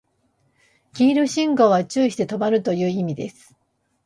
黄色信号は注意して止まるという意味です